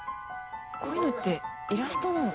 こういうのってイラストなの？